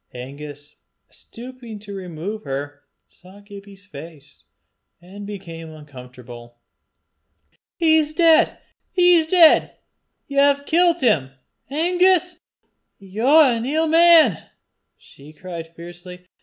Angus, stooping to remove her, saw Gibbie's face, and became uncomfortable. "He's deid! he's deid! Ye've killt him, Angus! Ye're an ill man!" she cried fiercely.